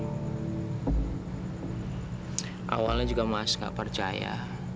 awalnya juga mas gak percaya